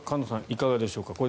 いかがでしょうか。